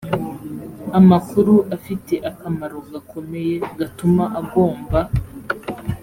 amakuru afite akamaro gakomeye gatuma agomba